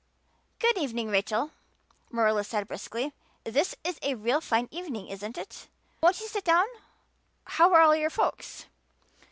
"Good evening, Rachel," Marilla said briskly. "This is a real fine evening, isn't it? Won't you sit down? How are all your folks?"